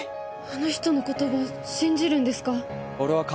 あの人の言葉信じるんですか？